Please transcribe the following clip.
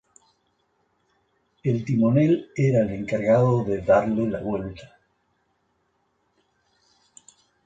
El timonel era el encargado de darle la vuelta.